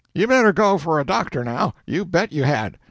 You better go for a doctor, now, you bet you had."